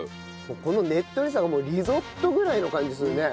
このねっとりさがもうリゾットぐらいの感じするね。